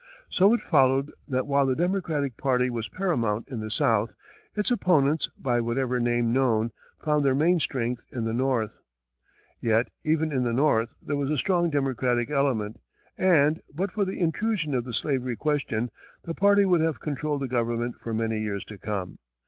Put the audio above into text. So it followed that while the Democratic party was paramount in the South, its opponents, by whatever name known, found their main strength in the North. Yet, even in the North, there was a strong Democratic element, and, but for the intrusion of the slavery question, the party would have controlled the government for many years to come.